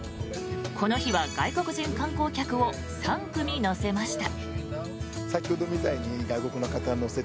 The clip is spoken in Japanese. この日は外国人観光客を３組乗せました。